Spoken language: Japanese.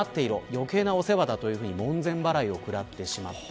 余計なお世話だというふうに門前払いを食らってしまった。